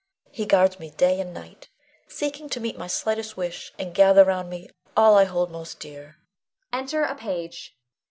He guards me day and night, seeking to meet my slightest wish, and gather round me all I hold most dear. [Enter a Page.